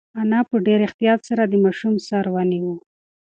انا په ډېر احتیاط سره د ماشوم سر ونیو.